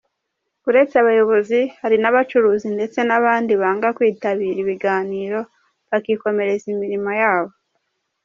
Uretse abayobozi hari n’abacuruzi ndetse n’abandi banga kwitabira ibiganiro bakikomereza imirimo yabo.